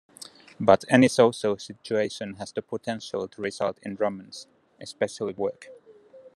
But any social situation has the potential to result in romance, especially work.